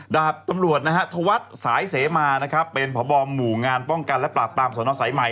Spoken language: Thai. ดาบตำรวจทวัฒน์สายเสมาเป็นผอบอมหมู่งานป้องกันและปรากภาพสถานที่สายใหม่